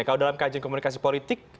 kalau dalam kajian komunikasi politik